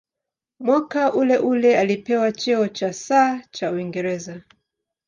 Mwaka uleule alipewa cheo cha "Sir" cha Uingereza.